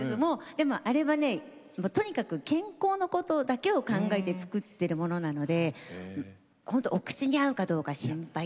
でもあれはねとにかく健康のことだけを考えて作ってるものなのでほんとお口に合うかどうか心配だなと。